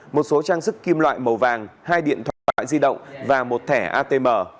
một số trang sức kim loại màu vàng hai điện thoại di động và một thẻ atm